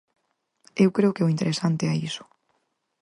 Eu creo que o interesante é iso.